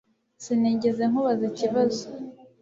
Sinigeze nkubaza ikibazo